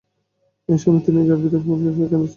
এ সময় তিনি পিতার কষ্টে ফুঁপিয়ে ফুঁপিয়ে কাঁদছিলেন।